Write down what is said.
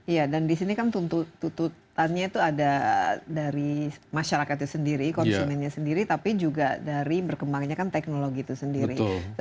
iya dan di sini kan tuntutannya itu ada dari masyarakat itu sendiri konsumennya sendiri tapi juga dari berkembangnya kan teknologi itu sendiri